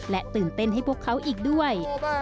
ตื่นเต้นให้พวกเขาอีกด้วย